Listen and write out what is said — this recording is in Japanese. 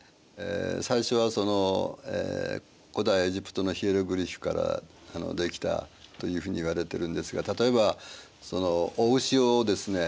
最初は古代エジプトのヒエログリフからできたというふうにいわれてるんですが例えばその雄牛をですね